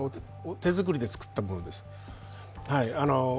手作りで作ったものなんです。